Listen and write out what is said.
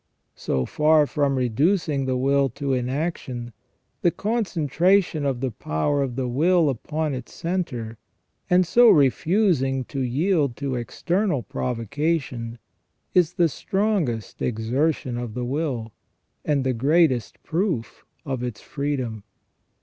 So far from reducing the will to inaction, the concentration of the power of the will upon its centre, and so refusing to yield to external provocation, is the strongest exertion of the will, and the greatest proof of its freedom.